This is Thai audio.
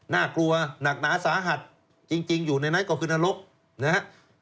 น่ากลัวหนักหนาสาหัสจริงอยู่ในนั้นก็คือนรกนะครับ